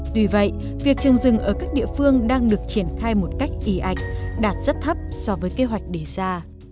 tuy vậy việc trồng rừng ở các địa phương đang được triển khai một cách y ạch đạt rất thấp so với kế hoạch đề ra